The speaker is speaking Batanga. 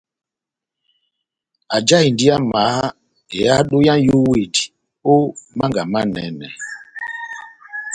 Ajahindi amaha ehádo yá nʼyówedi ó mánga manɛnɛ.